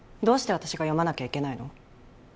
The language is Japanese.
どうして私が読まなきゃいけないの？